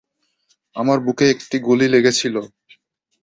আমার বুকে একটা গুলি লেগেছিল।